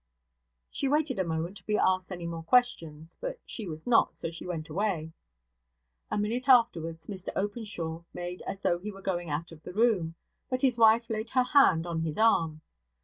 She waited a moment to be asked any more questions, but she was not, so she went away. A minute afterwards Mr Openshaw made as though he were going out of the room; but his wife laid her hand on his arm.